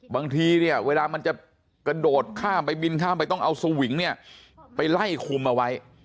บางทีเนี่ยเวลามันจะกระโดดข้ามไปบินข้ามไปต้องเอาสวิงเนี่ยไปไล่คุมเอาไว้